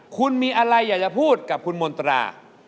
คุณมีอะไรอยากจะพูดกับคุณมนตรา